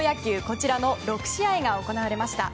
こちらの６試合が行われました。